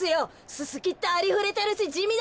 ススキってありふれてるしじみだし。